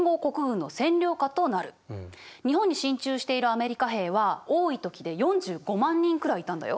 日本に進駐しているアメリカ兵は多い時で４５万人くらいいたんだよ。